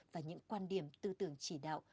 và những quan điểm tư tưởng chỉ đạo